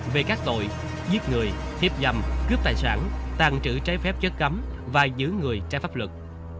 về các tội giết người hiếp dâm cướp tài sản tàn trữ trái phép chất cấm và giữ người trái pháp luật